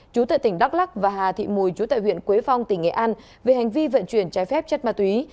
chú tại tỉnh đắk lắc và hà thị mùi chú tại huyện quế phong tỉnh nghệ an về hành vi vận chuyển trái phép chất ma túy